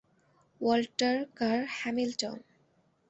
Walter Kerr Hamilton.